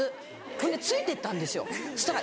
そんでついて行ったんですよそしたら。